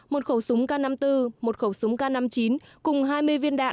một khẩu súng k năm mươi bốn một khẩu súng k năm mươi chín cùng hai mươi viên đạn